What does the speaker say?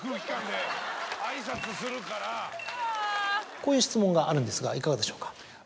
こういう質問があるんですがいかがでしょうか。